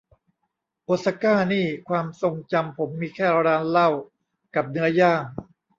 โอซาก้านี่ความทรงจำผมมีแค่ร้านเหล้ากับเนื้อย่าง